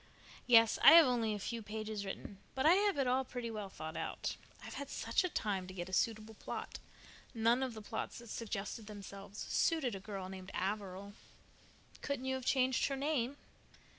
"Yes, I have only a few pages written, but I have it all pretty well thought out. I've had such a time to get a suitable plot. None of the plots that suggested themselves suited a girl named Averil." "Couldn't you have changed her name?"